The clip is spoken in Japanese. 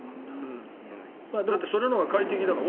だって、それのほうが快適だから。